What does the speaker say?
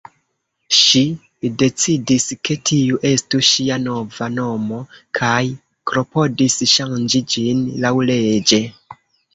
Ŝi decidis, ke tiu estu ŝia nova nomo, kaj klopodis ŝanĝi ĝin laŭleĝe.